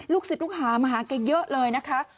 ศิษย์ลูกหามาหาแกเยอะเลยนะคะ